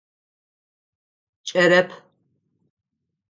Кӏэрэп.